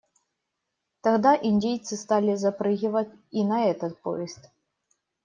Тогда индейцы стали запрыгивать и на этот поезд.